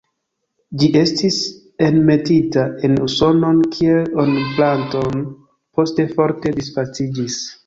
Ĝi estis enmetita en Usonon kiel ornamplanto, poste forte disvastiĝis.